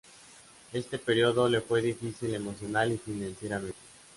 Este periodo le fue difícil emocional y financieramente.